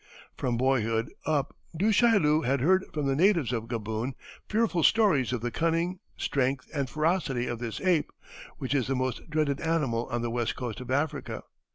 From boyhood up Du Chaillu had heard from the natives of Gaboon fearful stories of the cunning, strength, and ferocity of this ape, which is the most dreaded animal on the west coast of Africa.